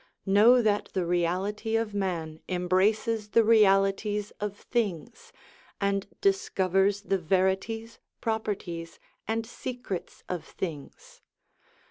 Know that the reality of man embraces the realities of things, and discovers the verities, properties, and secrets of things.